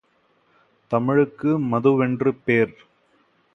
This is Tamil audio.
தமிழுக்கு மதுவென்று பேர்!